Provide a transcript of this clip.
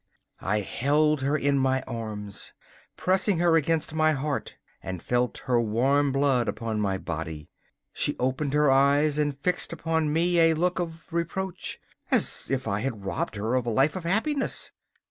I held her in my arms, pressed her against my heart and felt her warm blood upon my body. She opened her eyes and fixed upon me a look of reproach, as if I had robbed her of a life of happiness.